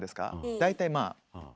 大体まあ。